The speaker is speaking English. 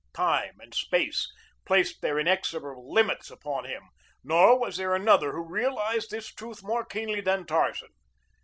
Time and space placed their inexorable limits upon him; nor was there another who realized this truth more keenly than Tarzan.